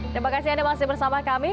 terima kasih anda masih bersama kami